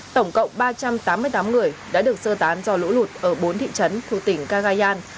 tổng cộng ba trăm tám mươi tám người đã được sơ tán do lũ lụt ở bốn thị trấn thuộc tỉnh gagayan